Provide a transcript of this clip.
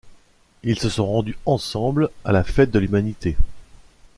Ils se sont rendus ensemble à la Fête de l'Humanité.